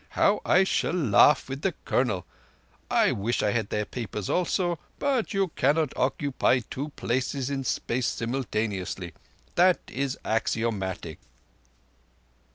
How I shall laugh with the Colonel! I wish I had their papers also: but you cannot occupy two places in space simultaneously. Thatt is axiomatic."